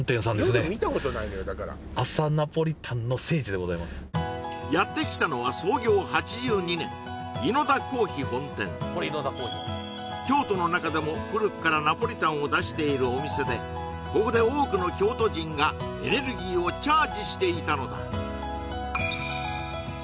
朝ナポリタンの聖地でございますやってきたのは京都の中でも古くからナポリタンを出しているお店でここで多くの京都人がエネルギーをチャージしていたのだ